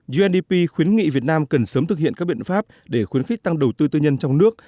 gndp khuyến nghị việt nam cần sớm thực hiện các biện pháp để khuyến khích tăng đầu tư tư nhân trong nước